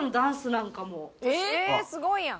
「ええーすごいやん！」